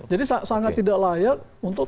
jadi sangat tidak layak untuk